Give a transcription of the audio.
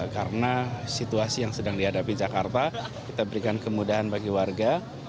karena situasi yang sedang dihadapi jakarta kita berikan kemudahan bagi warga